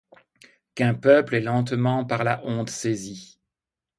Qu'un peuple est lentement par la honte saisi